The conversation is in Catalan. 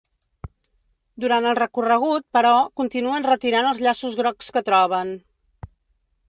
Durant el recorregut, però, continuen retirant els llaços grocs que troben.